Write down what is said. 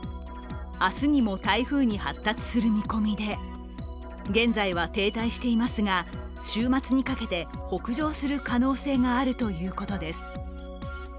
明日にも台風に発達する見込みで現在は停滞していますが、週末にかけて北上する可能性があるということです。